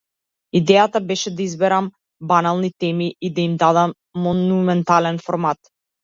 Идејата беше да изберам банални теми и да им дадам монументален формат.